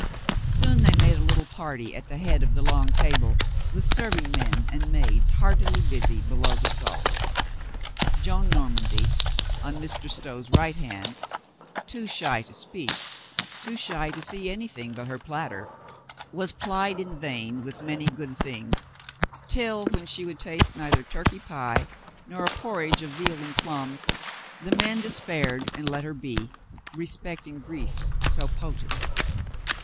Soon they made a little party at the head of the long table, with serving men and maids heartily busy below the salt. Joan Normandy, on Mr. Stow's right hand, too shy to speak, too shy to see anything but her platter, was plied in vain with many good things, till, when she would taste neither turkey pie nor a porridge of veal and plums, the men despaired and let her be, respecting grief so potent.